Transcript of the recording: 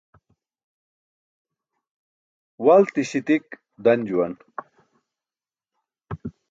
Walti śitik dan juwan